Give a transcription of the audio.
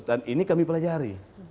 dan ini kami pelajari